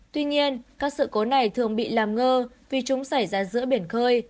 tuy nhiên các sự cố này thường bị làm ngơ vì chúng xảy ra giữa biển khơi